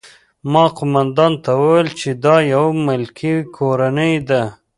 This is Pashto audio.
ما قومندان ته وویل چې دا یوه ملکي کورنۍ ده